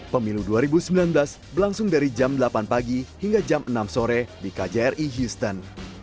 pemilu dua ribu sembilan belas berlangsung dari jam delapan pagi hingga jam enam sore di kjri houston